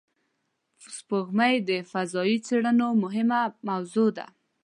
سپوږمۍ د فضایي څېړنو مهمه موضوع ده